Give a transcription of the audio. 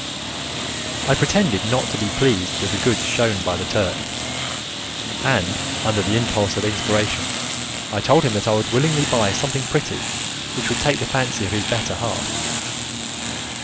I pretended not to be pleased with the goods shewn by the Turk, and under the impulse of inspiration I told him that I would willingly buy something pretty which would take the fancy of his better half.